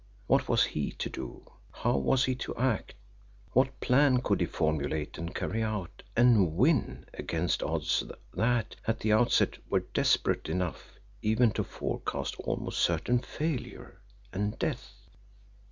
What was HE to do, how was he to act, what plan could he formulate and carry out, and WIN against odds that, at the outset, were desperate enough even to forecast almost certain failure and death!